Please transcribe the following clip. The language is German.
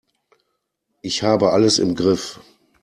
Ich habe alles im Griff.